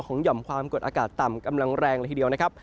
ของย่อมความกดอากาศต่างกำลังแรงเล็กทีเดียว